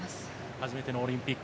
初めてのオリンピック。